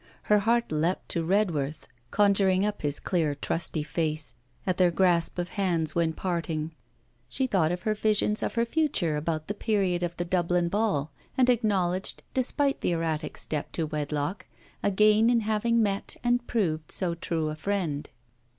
Her heart leapt to Redworth. Conjuring up his clear trusty face, at their grasp of hands when parting, she thought of her visions of her future about the period of the Dublin Ball, and acknowledged, despite the erratic step to wedlock, a gain in having met and proved so true a friend.